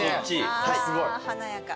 あ華やか。